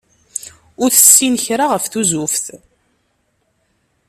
Ur tessin kra ɣef tuzuft.